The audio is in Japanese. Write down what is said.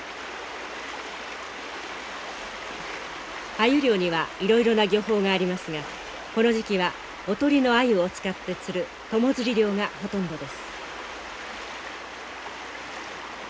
アユ漁にはいろいろな漁法がありますがこの時期はおとりのアユを使って釣る友釣り漁がほとんどです。